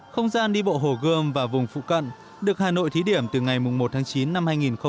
không gian đi bộ hồ gươm và vùng phụ cận được hà nội thí điểm từ ngày một tháng chín năm hai nghìn một mươi chín